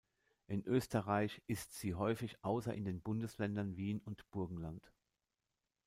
In Österreich ist sie häufig außer in den Bundesländern Wien und Burgenland.